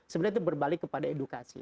sebenarnya itu berbalik kepada edukasi